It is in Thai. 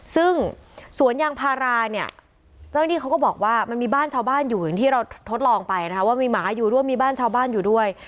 ซึ่งสวนยางพาราเนี่ยเจ้าหน้าที่เขาก็บอกว่ามันมีบ้านชาวบ้านอยู่อย่างที่เราทดลองไปนะคะว่ามีหมาอยู่ด้วยมีบ้านชาวบ้านอยู่ด้วย